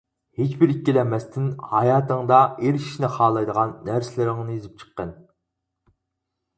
ھېچبىر ئىككىلەنمەستىن ھاياتىڭدا ئېرىشىشنى خالايدىغان نەرسىلىرىڭنى يېزىپ چىققىن.